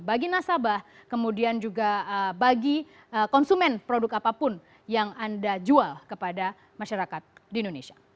bagi nasabah kemudian juga bagi konsumen produk apapun yang anda jual kepada masyarakat di indonesia